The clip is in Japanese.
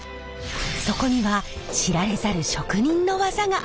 そこには知られざる職人の技があったんです。